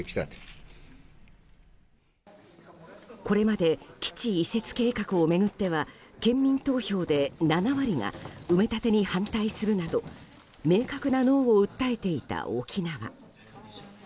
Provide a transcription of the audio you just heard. これまで基地移設計画を巡っては県民投票で７割が埋め立てに反対するなど明確なノーを訴えていた沖縄。